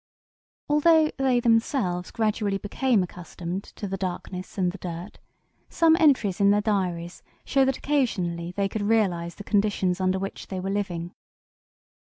Although they themselves gradually became accustomed to the darkness and the dirt, some entries in their diaries show that occasionally they could realize the conditions under which they were living.